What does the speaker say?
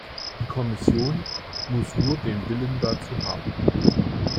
Die Kommission muss nur den Willen dazu haben.